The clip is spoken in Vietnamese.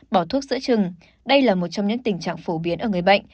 bỏ thuốc giữa trừng đây là một trong những tình trạng phổ biến ở người bệnh